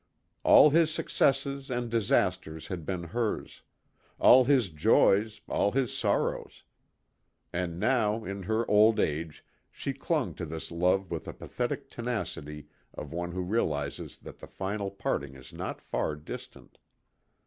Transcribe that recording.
All his successes and disasters had been hers; all his joys, all his sorrows. And now, in her old age, she clung to this love with the pathetic tenacity of one who realizes that the final parting is not far distant.